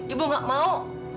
ibu nggak mau